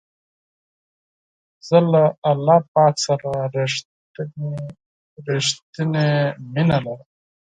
زه له الله پاک سره رښتنی مینه لرم.